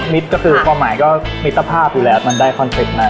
ก็คือความหมายก็มิตรภาพอยู่แล้วมันได้คอนเซ็ปต์มา